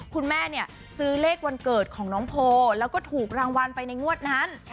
คุณแม่เนี่ยซื้อเลขวันเกิดของน้องโพแล้วก็ถูกรางวัลไปในงวดนั้น